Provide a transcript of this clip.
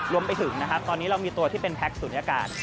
รวมไปถึงนะครับตอนนี้เรามีตัวที่เป็นแพ็คศูนยากาศ